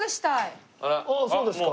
ああそうですか。